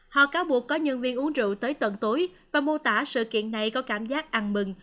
họ cáo buộc có nhân viên uống rượu tới tận tối và mô tả sự kiện này có cảm giác ăn mừng